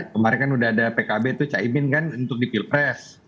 kemarin kan udah ada pkb tuh caimin kan untuk di pilpres